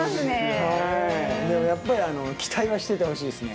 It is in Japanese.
でもやっぱり期待はしててほしいですね。